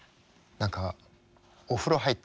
何か。